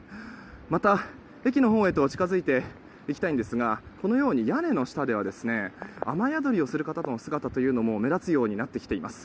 また、駅のほうへと近づいていきたいんですが屋根の下では雨宿りをする方の姿というのも目立つようになってきています。